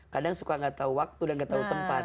kadang suka tidak tahu waktu dan tidak tahu tempat